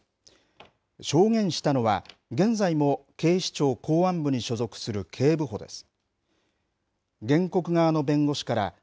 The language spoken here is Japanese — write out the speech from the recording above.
証言したのは、現在も警視庁公安部に所属する警部補です。